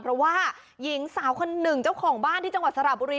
เพราะว่าหญิงสาวคนหนึ่งเจ้าของบ้านที่จังหวัดสระบุรี